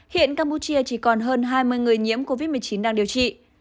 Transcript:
hiện campuchia chỉ còn hơn hai mươi người nhiễm covid một mươi chín đang điều trị